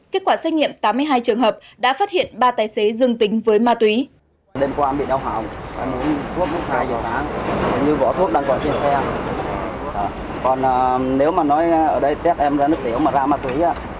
kết quả xét nghiệm tám mươi hai trường hợp đã phát hiện ba tài xế dương tính với ma túy